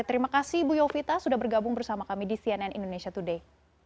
terima kasih bu yovita sudah bergabung bersama kami di cnn indonesia today